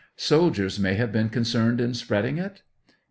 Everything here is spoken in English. Soldiers may have been concerned in spreading it?